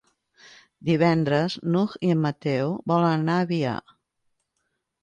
Divendres n'Hug i en Mateu volen anar a Avià.